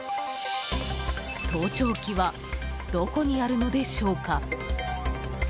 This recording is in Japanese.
盗聴器はどこにあるのでしょうか。